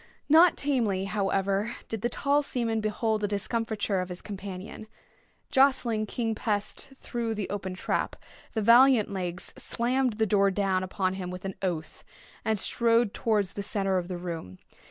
Not tamely, however, did the tall seaman behold the discomfiture of his companion. Jostling King Pest through the open trap, the valiant Legs slammed the door down upon him with an oath, and strode towards the centre of the room.